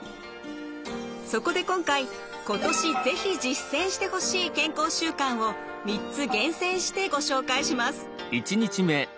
そこで今回今年是非実践してほしい健康習慣を３つ厳選してご紹介します。